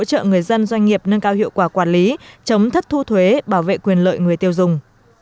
trợ người dân doanh nghiệp nâng cao hiệu quả quản lý chống thất thu thuế bảo vệ quyền lợi người tiêu dùng